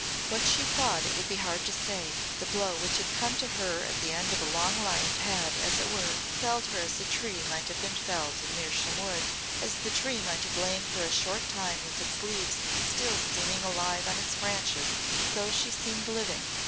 What she thought it would be hard to say. The blow which had come to her at the end of a long life had, as it were, felled her as a tree might have been felled in Mersham Wood. As the tree might have lain for a short time with its leaves still seeming alive on its branches so she seemed living.